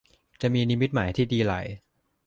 จะมีนิมิตหมายที่ดีหลาย